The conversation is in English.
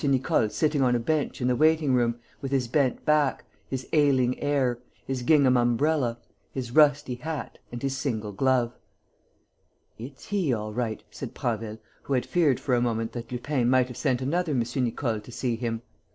Nicole sitting on a bench in the waiting room, with his bent back, his ailing air, his gingham umbrella, his rusty hat and his single glove: "It's he all right," said Prasville, who had feared for a moment that Lupin might have sent another M. Nicole to see him.